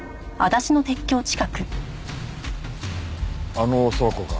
あの倉庫か。